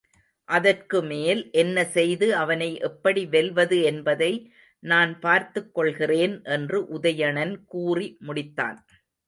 அதற்குமேல் என்ன செய்து அவனை எப்படி வெல்வது என்பதை நான் பார்த்துக் கொள்கிறேன் என்று உதயணன் கூறி முடித்தான்.